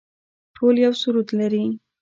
ټول یو سرود لري